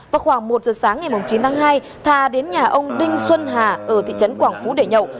vào khoảng một giờ sáng ngày chín tháng hai thà đến nhà ông đinh xuân hà ở thị trấn quảng phú để nhậu